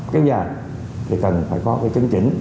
các nhà thì cần phải có cái chứng chỉnh